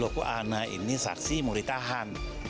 loh kok anak ini saksi mau ditahan